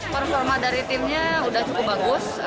performa dari timnya sudah cukup bagus